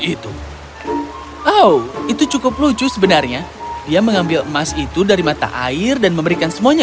itu oh itu cukup lucu sebenarnya ia mengambil emas itu dari mata air dan memberikan semuanya